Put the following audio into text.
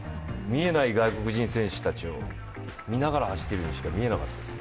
見えない外国人選手たちを見ながら走っているようにしか見えなかったです。